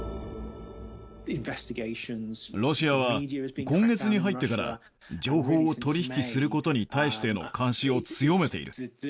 ロシアは、今月に入ってから、情報を取り引きすることに対しての監視を強めている。